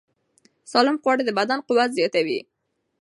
سالم خواړه د بدن قوت زیاتوي.